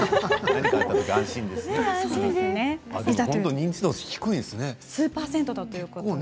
認知度、低いですね。